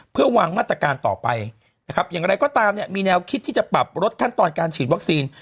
เพื่อวางมาตรการต่อไปนะครับอย่างไรก็ตามเนี่ยมีแนวคิดที่จะปรับลดขั้นตอนการฉีดวัคซีน